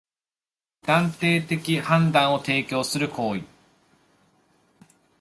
断定的判断を提供する行為